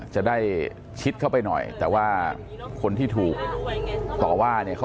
จะได้ชิดเข้าไปหน่อยแต่ว่าคนที่ถูกต่อว่าเนี่ย